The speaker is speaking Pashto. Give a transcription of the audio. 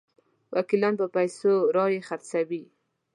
وکیلان په پیسو رایې خرڅوي.